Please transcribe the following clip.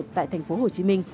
tại thành phố hồ chí minh